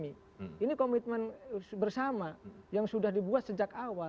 karena kita harus melakukan komitmen bersama yang sudah dibuat sejak awal